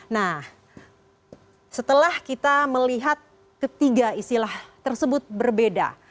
nah setelah kita melihat ketiga istilah tersebut berbeda